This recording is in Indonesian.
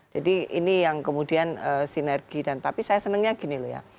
jadi ini yang kemudian sinergi dan tapi saya senangnya gini loh ya